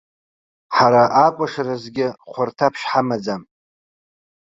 Ҳара акәашаразгьы хәарҭаԥшь ҳамаӡам.